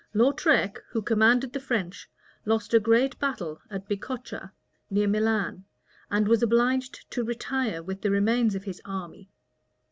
Lautrec, who commanded the French, lost a great battle at Bicocca, near Milan; and was obliged to retire with the remains of his army.